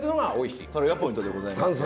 それがポイントでございますね。